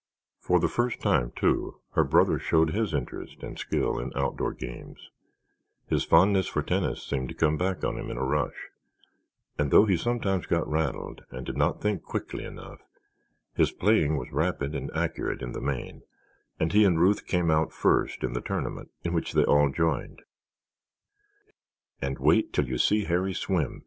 For the first time, too, her brother showed his interest and skill in outdoor games; his fondness for tennis seemed to come back on him in a rush, and though he sometimes got rattled and did not think quickly enough, his playing was rapid and accurate in the main and he and Ruth came out first in the tournament in which they all joined. "And wait till you see Harry swim!"